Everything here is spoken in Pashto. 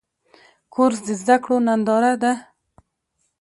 کورس د زده کړو ننداره ده.